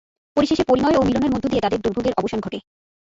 পরিশেষে পরিণয় ও মিলনের মধ্য দিয়ে তাঁদের দুর্ভোগের অবসান ঘটে।